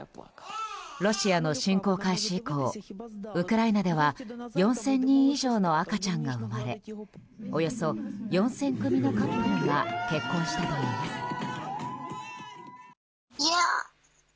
ロシアの侵攻開始以降ウクライナでは４０００人以上の赤ちゃんが生まれおよそ４０００組のカップルが結婚したといいます。